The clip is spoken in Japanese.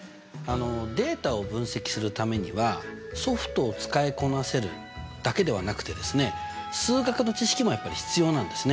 データを分析するためにはソフトを使いこなせるだけではなくて数学の知識もやっぱり必要なんですね。